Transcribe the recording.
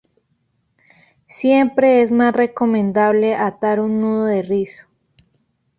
Siempre es más recomendable atar un nudo de rizo.